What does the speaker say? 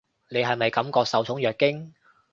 你係咪感覺受寵若驚？